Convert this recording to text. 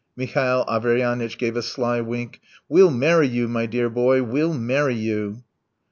Mihail Averyanitch gave a sly wink. "We'll marry you, my dear boy, we'll marry you.